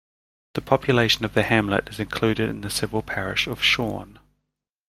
The population of the hamlet is included in the civil parish of Shorne.